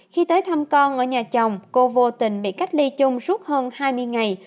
khi tới thăm con ở nhà chồng cô vô tình bị cách ly chung suốt hơn hai mươi ngày